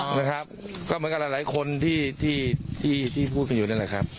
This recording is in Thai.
นะครับก็เหมือนกับหลายคนที่ที่พูดกันอยู่นั่นแหละครับ